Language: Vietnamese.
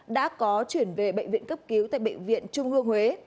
đã có chuyển về bệnh viện cấp cứu tại bệnh viện trung ương huế